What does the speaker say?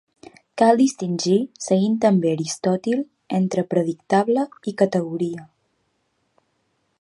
Cal distingir, seguint també Aristòtil, entre predicable i categoria.